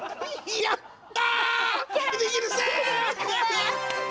やった！